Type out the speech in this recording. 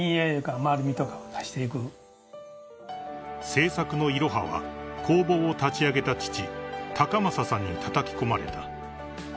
［制作のいろはは工房を立ち上げた父孝昌さんにたたき込まれた］